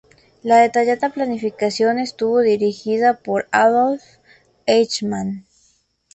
La detallada planificación estuvo dirigida por Adolf Eichmann.